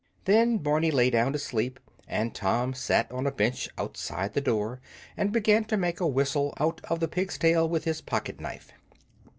Then Barney lay down to sleep, and Tom sat on a bench outside the door and began to make a whistle out of the pig's tail with his pocket knife.